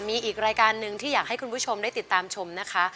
มีอีกรายการหนึ่งที่อยากให้คุณผู้ชมได้ติดตามชมนะคะ